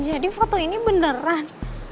jadi foto ini beneran